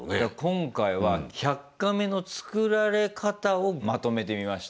今回は「１００カメ」の作られ方をまとめてみました。